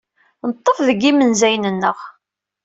Neḍḍef deg yimenzayen-nneɣ.